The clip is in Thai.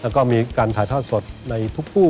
แล้วก็มีการถ่ายทอดสดในทุกคู่